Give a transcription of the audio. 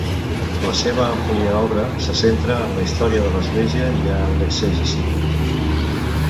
La seva àmplia obra se centra en la història de l'Església i en l'exegesi.